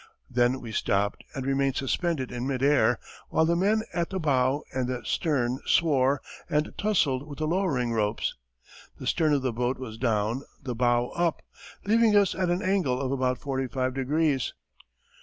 Then we stopped and remained suspended in mid air while the men at the bow and the stern swore and tusselled with the lowering ropes. The stern of the boat was down, the bow up, leaving us at an angle of about forty five degrees.